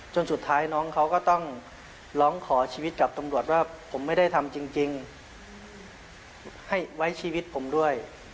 สุดท้ายน้องเขาก็ต้องร้องขอชีวิตกับตำรวจว่าผมไม่ได้ทำจริงให้ไว้ชีวิตผมด้วย